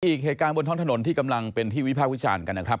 อีกเหตุการณ์บนท้องถนนที่กำลังเป็นที่วิภาควิจารณ์กันนะครับ